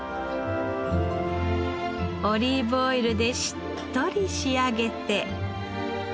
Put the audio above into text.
オリーブオイルでしっとり仕上げて。